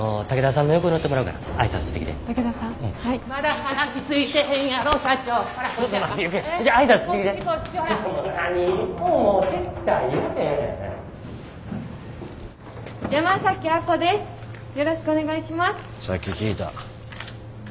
さっき聞いた。